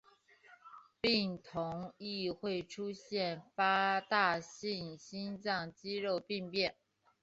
病童亦会出现发大性心脏肌肉病变。